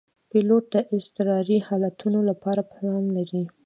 پیلوټ د اضطراري حالتونو لپاره پلان لري.